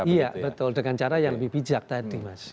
iya betul dengan cara yang lebih bijak tadi mas